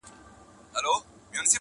په نامه د شیرنۍ حرام نه خورمه,